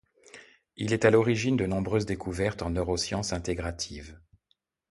Il est à l'origine de nombreuses découvertes en neuroscience intégrative.